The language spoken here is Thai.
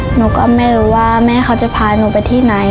หนูก็ไม่รู้ว่าแม่เขาจะพาหนูไปที่ไหน